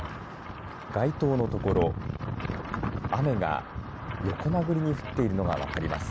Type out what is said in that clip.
街灯の所、雨が横殴りに降っているのが分かります。